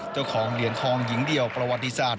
เจ้าของเหรียญทองหญิงเดี่ยวประวัติศาสต